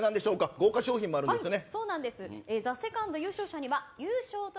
豪華商品もあるんですよね。